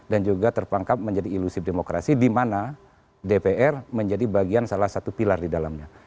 dan juga terperangkap menjadi ilusif demokrasi di mana dpr menjadi bagian salah satu pilar di dalamnya